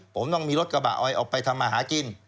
ผมต้องมีรถกระบะออยออกไปทำมาหากิน